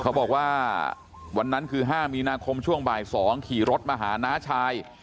เขาบอกว่าวันนั้นคือ๕มีนาคมช่วงบ่าย๒ขี่รถมาหาน้าชาย